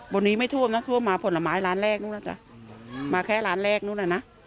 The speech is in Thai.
บนนี้ไม่ท่วมนะท่วมมาผลไม้ร้านแรกนู้นแล้วจ้ะมาแค่ร้านแรกนู้นน่ะนะ